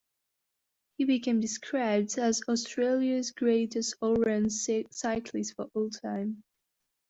He became described as 'Australia's greatest all-round cyclist for all time'.